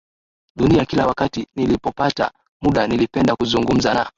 dunia Kila wakati nilipopata muda nilipenda kuzungumza na